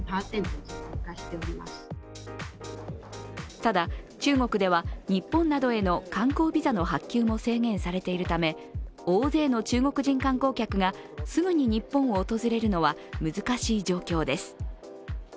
ただ、中国では日本などへの観光ビザの発給も制限されているため大勢の中国人観光客がすぐに日本を訪れるのは難しい状況です。